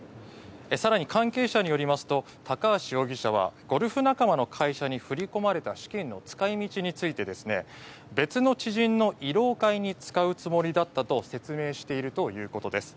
更に、関係者によりますと高橋容疑者はゴルフ仲間の会社に振り込まれた資金の使い道について別の知人の慰労会に使うつもりだったと説明しているということです。